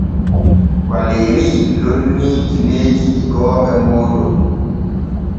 Waleeri lonnii gineeji igooɓe mooɗon.